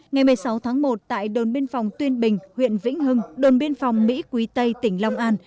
ngày một mươi sáu tháng một tại đồn biên phòng tuyên bình huyện vĩnh hưng đồn biên phòng mỹ quý tây tỉnh long an